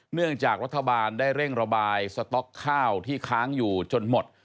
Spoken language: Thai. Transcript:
เนื่องจากรัฐบาลได้เร่งระบายสต๊อกข้าวที่ค้างอยู่จนหมด